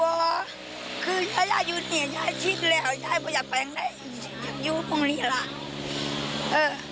ว่าคืออย่าอยู่ที่นี่ยายชิ้นแล้วยายไม่อยากแปลงได้อยู่ตรงนี้ล่ะเออ